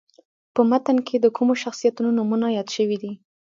په متن کې د کومو شخصیتونو نومونه یاد شوي دي.